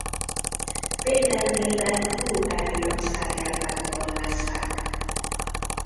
Péter néven Bulgária cárjává koronázták.